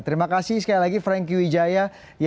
terima kasih sekali lagi franky wijaya